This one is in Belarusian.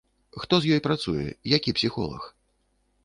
Хто з ёй працуе, які псіхолаг?